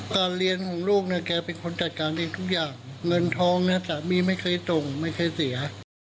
การเรียนของลูกเนี่ยแกเป็นคนจัดการเองทุกอย่างเงินทองเนี่ยสามีไม่เคยส่งไม่เคยเสีย